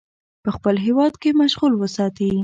په خپل هیواد کې مشغول وساتي.